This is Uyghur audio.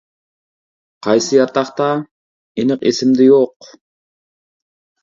» «قايسى ياتاقتا؟ » «ئېنىق ئېسىمدە يوق.